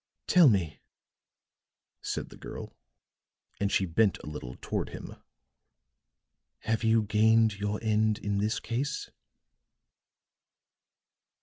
"Tell me," said the girl, and she bent a little toward him, "have you gained your end in this case?"